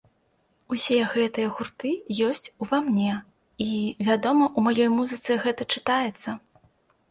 Усе гэтыя гурты ёсць у ва мне і, вядома, у маёй музыцы гэта чытаецца.